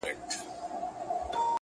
يوه زاړه، يوه تک تور، يوه غریب ربابي؛